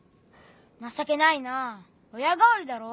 情けないな親代わりだろ？